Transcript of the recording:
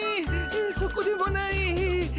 そこでもない。